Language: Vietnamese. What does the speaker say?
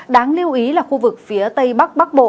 đáng lưu ý là khu vực phía tây bắc bắc bộ